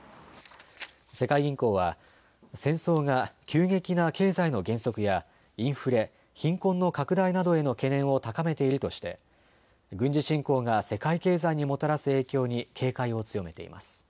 世界銀行は戦争が急激な経済の減速やインフレ、貧困の拡大などへの懸念を高めているとして軍事侵攻が世界経済にもたらす影響に警戒を強めています。